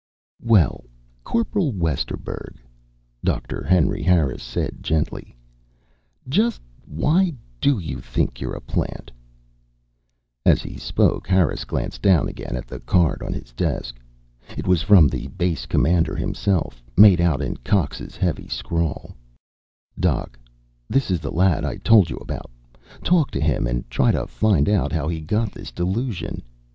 "Well, Corporal Westerburg," Doctor Henry Harris said gently, "just why do you think you're a plant?" As he spoke, Harris glanced down again at the card on his desk. It was from the Base Commander himself, made out in Cox's heavy scrawl: _Doc, this is the lad I told you about. Talk to him and try to find out how he got this delusion.